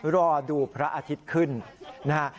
รอดูพระอาทิตย์ขึ้นนะฮะ